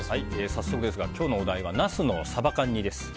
早速ですが今日のお題はナスのサバ缶煮です。